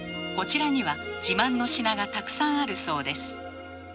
こちらには自慢の品がたくさんあるそうです。